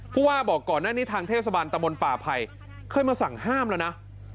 ผู้ว่าบอกก่อนหน้านี้ทางเทศบาลตะมนต์ป่าไผ่เคยมาสั่งห้ามแล้วนะ